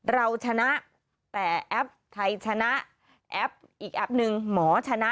เราชนะแต่แอปไทยชนะแอปอีกแอปหนึ่งหมอชนะ